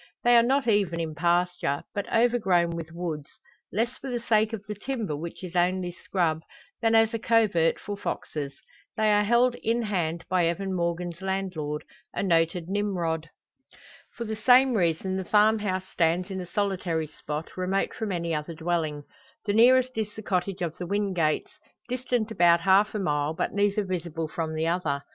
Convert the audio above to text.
They are not even in pasture, but overgrown with woods; less for the sake of the timber, which is only scrub, than as a covert for foxes. They are held in hand by Evan Morgan's landlord a noted Nimrod. For the same reason the farm house stands in a solitary spot, remote from any other dwelling. The nearest is the cottage of the Wingates distant about half a mile, but neither visible from the other.